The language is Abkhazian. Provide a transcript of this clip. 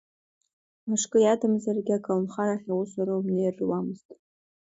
Мышкы иадамзаргьы аколнхарахь аусура умнеир руамызт.